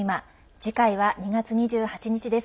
次回は２月２８日です。